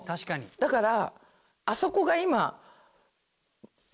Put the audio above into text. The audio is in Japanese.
だから。